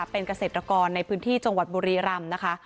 เป็นเกษตรกรในพื้นที่จังหวัดบุรีรำนะคะ